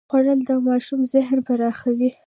خوړل د ماشوم ذهن پراخوي